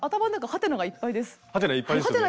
ハテナいっぱいですよね。